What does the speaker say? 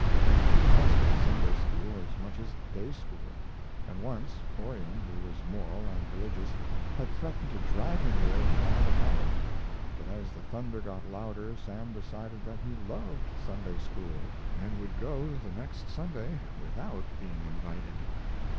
He detested Sunday school as much as day school, and once Orion, who was moral and religious, had threatened to drag him there by the collar; but as the thunder got louder Sam decided that he loved Sunday school and would go the next Sunday without being invited.